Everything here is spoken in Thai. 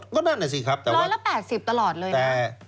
ก็ไม่ขี้เหล่นะคุณชุวิตก็นั่นน่ะสิครับร้อยละ๘๐ตลอดเลยนะ